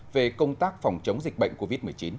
về công tác phòng chống dịch bệnh covid một mươi chín